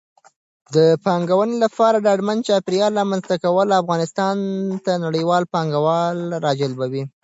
د پانګونې لپاره د ډاډمن چاپېریال رامنځته کول افغانستان ته نړیوال پانګوال راجلبوي.